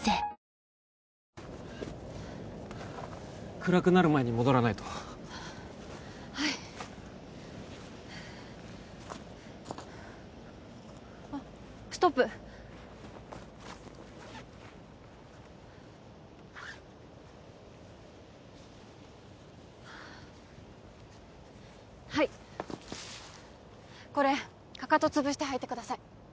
暗くなる前に戻らないとはいあっストップはいこれかかとつぶして履いてください